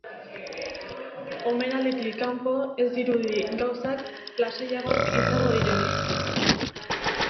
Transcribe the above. Omenalditik kanpo, ez dirudi gauzak lasaiagoak izango direnik.